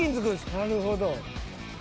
「なるほど」